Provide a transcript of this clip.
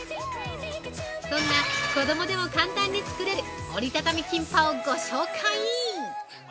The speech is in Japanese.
そんな、子供でも簡単に作れる折りたたみキンパをご紹介。